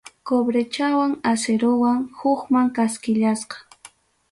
Cobrechawan acerowan hukman kaskillasqa.